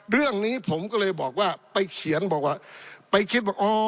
เรื่องนี้ผมก็เลยบอกว่าไปเขียนบอกว่าไปคิดว่าอ๋อ